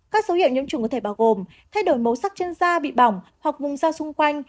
các dấu hiệu nhiễm trùng có thể bao gồm thay đổi màu sắc chân da bị bỏng hoặc vùng da xung quanh